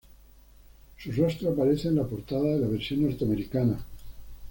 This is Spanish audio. Su rostro aparece en la portada de la versión norteamericana.